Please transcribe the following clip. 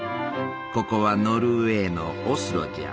ここはノルウェーのオスロじゃ。